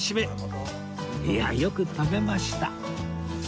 いやよく食べました